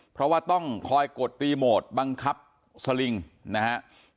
เพราะว่าต้องคอยกดรีโมทบังคับสลิงนะครับ